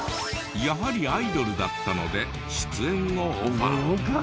やはりアイドルだったので出演をオファー。